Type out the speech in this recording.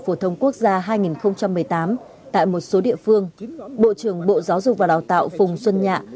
phổ thông quốc gia hai nghìn một mươi tám tại một số địa phương bộ trưởng bộ giáo dục và đào tạo phùng xuân nhạ